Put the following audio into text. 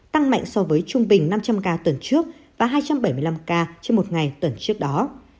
tăng mạnh so với trung bình năm trăm linh ca tuần trước và hai trăm bảy mươi năm ca trên một ngày tuần trước đó